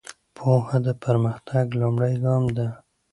پوهه د پرمختګ لومړی ګام ده.